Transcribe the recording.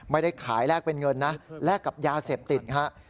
ไม่ได้ขายแลกเป็นเงินนะแลกกับยาเสพติดครับ